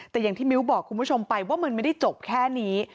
แต่อย่างที่มิ้วบอกคุณผู้ชมไปว่ามันไม่ได้จบแค่นี้